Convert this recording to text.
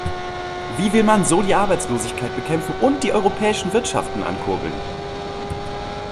Wie will man so die Arbeitslosigkeit bekämpfen und die europäischen Wirtschaften ankurbeln?